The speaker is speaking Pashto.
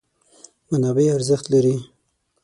منابع ارزښت لري.